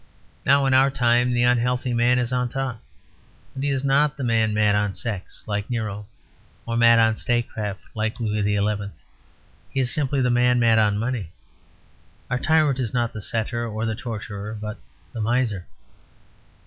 Now in our time the unhealthy man is on top; but he is not the man mad on sex, like Nero; or mad on statecraft, like Louis XI; he is simply the man mad on money. Our tyrant is not the satyr or the torturer; but the miser.